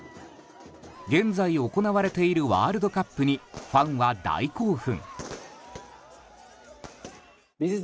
現在行われているワールドカップにファンは大興奮。